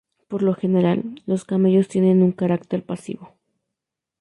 Por lo general, los camellos tienen un carácter pasivo.